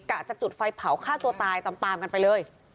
จะจุดไฟเผาฆ่าตัวตายตามกันไปเลย